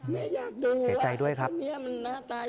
แม่อยากดูว่าไอ้คนเนี้ยมันน่าตายังไงแม่อยากเห็น